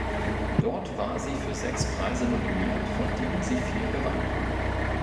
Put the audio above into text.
Dort war sie für sechs Preise nominiert, von denen sie vier gewann.